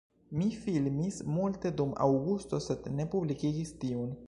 Mi filmis multe dum aŭgusto sed ne publikigis tiun